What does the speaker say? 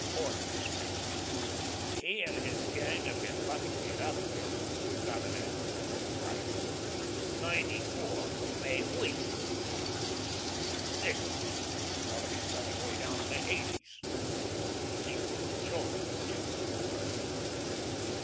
Porteous makes me weary. He and his gang have been bucking it up till we've got an abnormal price. Ninety four for May wheat! Why, it's ridiculous. Ought to be selling way down in the eighties. The least little jolt would tip her over.